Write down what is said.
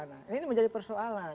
nah ini menjadi persoalan